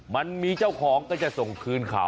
มันมีเจ้าของก็จะส่งคืนเขา